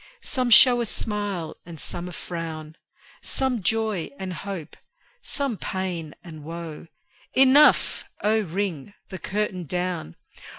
Some show a smile and some a frown; Some joy and hope, some pain and woe: Enough! Oh, ring the curtain down!